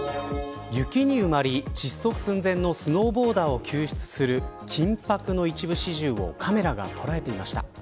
雪に埋まり、窒息寸前のスノーボーダーを救出する緊迫の一部始終をカメラが捉えていました。